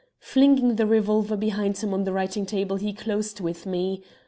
Flinging the revolver behind him on the writing table he closed with me.